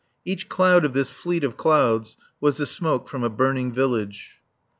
Each cloud of this fleet of clouds was the smoke from a burning village.